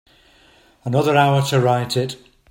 Another hour to write it.